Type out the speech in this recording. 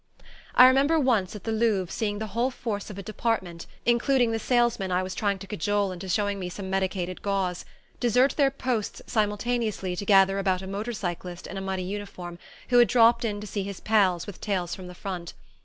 I remember once, at the Louvre, seeing the whole force of a "department," including the salesman I was trying to cajole into showing me some medicated gauze, desert their posts simultaneously to gather about a motor cyclist in a muddy uniform who had dropped in to see his pals with tales from the front.